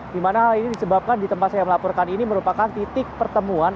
di mana hal ini disebabkan di tempat saya melaporkan ini merupakan titik pertemuan